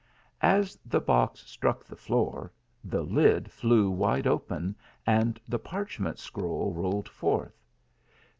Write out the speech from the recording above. As the box struck the floor the lid flew wide open, and the parchment scroll rolled forth.